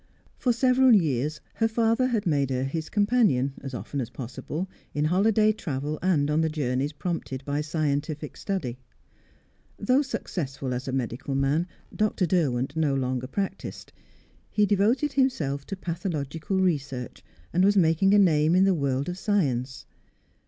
For several years her father had made her his companion, as often as possible, in holiday travel and on the journeys prompted by scientific study. Though successful as a medical man, Dr. Derwent no longer practised; he devoted himself to pathological research, and was making a name in the world of science.